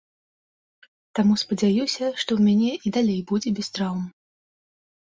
Таму спадзяюся, што ў мяне і далей будзе без траўм.